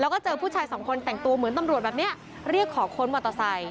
แล้วก็เจอผู้ชายสองคนแต่งตัวเหมือนตำรวจแบบนี้เรียกขอค้นมอเตอร์ไซค